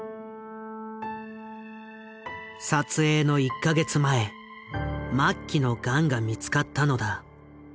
撮影の１か月前末期のガンが見つかったのだ。